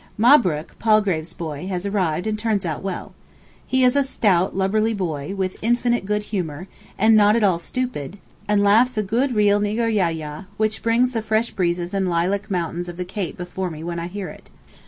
Mahbrook, Palgrave's boy, has arrived, and turns out well. He is a stout lubberly boy, with infinite good humour, and not at all stupid, and laughs a good real nigger yahyah, which brings the fresh breezes and lilac mountains of the Cape before me when I hear it.